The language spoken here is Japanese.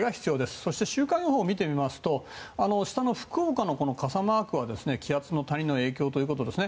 そして週間予報を見てみますと下の福岡の傘マークは気圧の谷の影響ということですね。